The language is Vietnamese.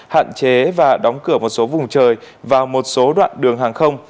hạn chế và đóng cửa một số vùng trời vào một số đoạn đường hàng không